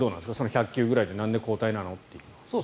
１００球くらいでなんで交代なのというのは。